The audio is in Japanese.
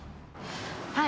はい。